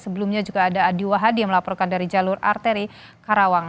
sebelumnya juga ada adi wah hadi yang melaporkan dari jalur arteri karawang